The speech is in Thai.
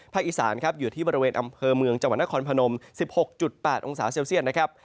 อีสานครับอยู่ที่บริเวณอำเภอเมืองจังหวัดนครพนม๑๖๘องศาเซลเซียตนะครับ